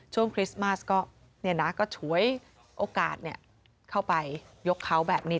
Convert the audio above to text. คริสต์มาสก็ฉวยโอกาสเข้าไปยกเขาแบบนี้